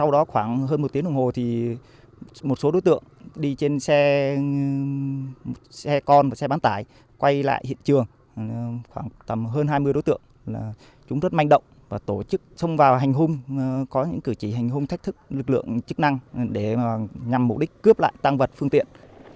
tầm hơn hai mươi đối tượng chúng rất manh động và tổ chức xông vào hành hung có những cử chỉ hành hung thách thức lực lượng chức năng để nhằm mục đích cướp lại tăng vật phương tiện